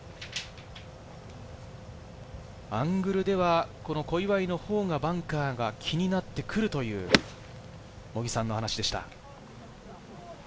アングルでは小祝のほうがバンカーが気になってくるという茂木さんの話でした。